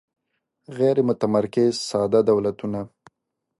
غیر متمرکز ساده دولتونه